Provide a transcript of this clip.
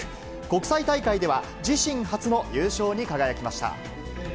国際大会では、自身初の優勝に輝きました。